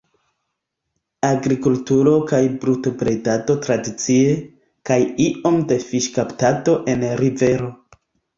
Agrikulturo kaj brutobredado tradicie, kaj iom da fiŝkaptado en rivero.